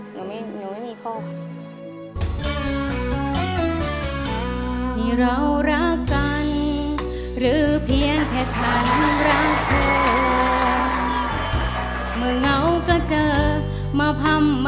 หนูไม่มีพ่อ